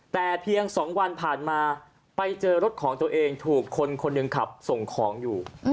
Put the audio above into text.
แต่เพียง๒วันผ่านมาไปเจอรถของตัวเองถูกคนคนหนึ่งขับส่งของอยู่